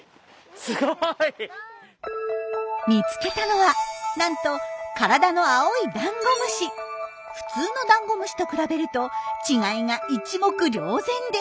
見つけたのはなんと体の普通のダンゴムシと比べると違いが一目瞭然です。